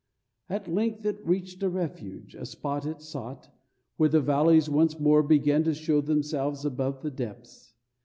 At length it reached a refuge, the spot it sought, where the valleys once more began to show themselves above the depths.